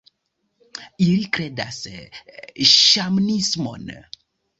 Ili kredas ŝamanismon.